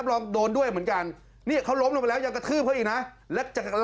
เพราะฉะนั้นเห็นว่าตัวเล่นอาจจะหายมากจากนั้นไม่ใช่